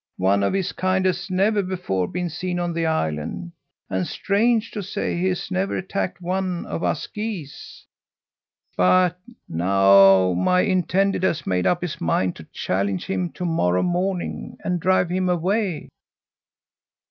"One of his kind has never before been seen on the island, and, strange to say, he has never attacked one of us geese. But now my intended has made up his mind to challenge him to morrow morning, and drive him away."